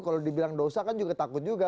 kalau dibilang dosa kan juga takut juga